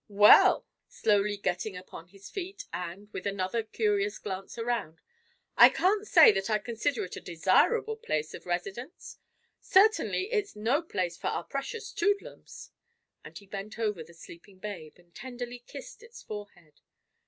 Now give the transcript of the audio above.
"Well," said he, slowly getting upon his feet and with another curious glance around, "I can't say that I consider it a desirable place of residence. Certainly it's no place for our precious Toodlums," and he bent over the sleeping babe and tenderly kissed its forehead.